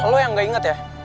lo yang gak inget ya